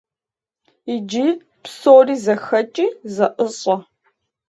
Иджы псори зэхэкӏи зэӏыщӏэ.